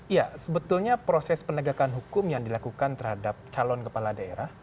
ya sebetulnya proses penegakan hukum yang dilakukan terhadap calon kepala daerah